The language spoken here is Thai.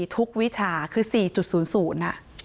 ๔ทุกวิชาคือ๔๐๐น่ะ